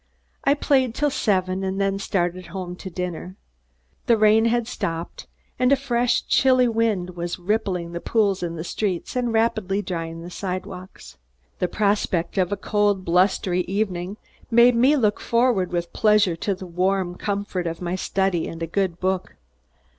I played till seven and then started home to dinner. The rain had stopped and a fresh chilly wind was rippling the pools in the streets and rapidly drying the sidewalks. The prospect of a cold blustery evening made me look forward with pleasure to the warm comfort of my study, and a good book.